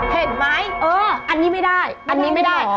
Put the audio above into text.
เห็ดมั้ยอันนี้ไม่ได้